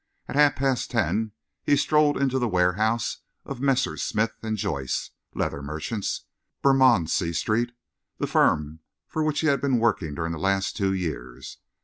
At half past ten, he strolled into the warehouse of Messrs. Smith and Joyce, leather merchants, Bermondsey Street, the firm for which he had been working during the last two years.